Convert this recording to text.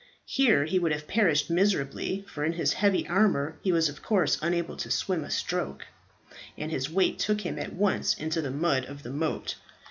Here he would have perished miserably, for in his heavy armour he was of course unable to swim a stroke, and his weight took him at once into the mud of the moat.